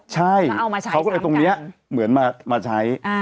ใช่เขาก็เลยตรงนี้เหมือนมาใช้